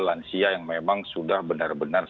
lansia yang memang sudah benar benar